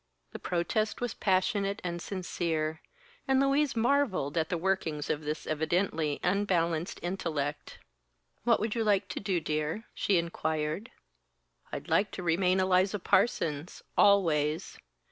The protest was passionate and sincere, and Louise marvelled at the workings of this evidently unbalanced intellect. "What would you like to do, dear?" she inquired. "I'd like to remain Eliza Parsons always.